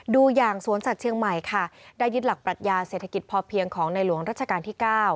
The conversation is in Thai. ดูอย่างสวนสัตว์เชียงใหม่ค่ะได้ยึดหลักปรัชญาเศรษฐกิจพอเพียงของในหลวงรัชกาลที่๙